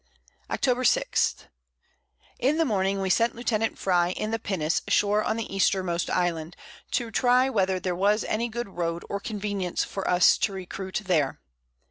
Octob. 6. In the Morning we sent Lieutenant Frye in the Pinnace ashore on the Eastermost Island, to try whether there was any good Road or convenience for us to recruit there.